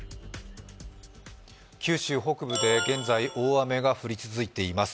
九州北部で現在大雨が降り続いています。